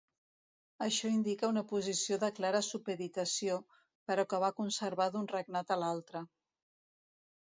Això indica una posició de clara supeditació, però que va conservar d'un regnat a l'altra.